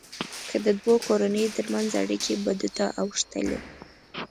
که د دوو کورنيو ترمنځ اړیکې بدو ته اوښتلې.